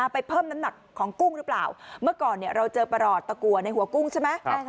ไปเพิ่มน้ำหนักของกุ้งหรือเปล่าเมื่อก่อนเราเจอประหลอดตะกัวในหัวกุ้งใช่ไหม